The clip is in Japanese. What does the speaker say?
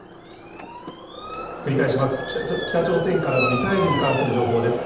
繰り返します、北朝鮮からのミサイルに関する情報です。